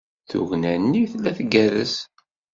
Tugna-nni tella tgerrez.